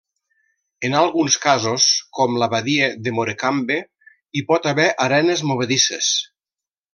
En alguns casos, com la Badia de Morecambe hi pot haver arenes movedisses.